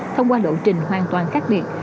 thông qua lộ trình hoàn toàn khác biệt